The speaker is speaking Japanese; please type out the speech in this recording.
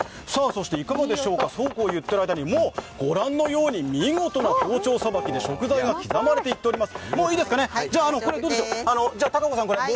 いかがでしょうか、そうこう言っている間にもうご覧のように見事な包丁さばきで食材が刻まれていっております。